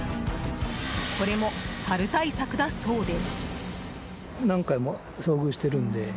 これもサル対策だそうで。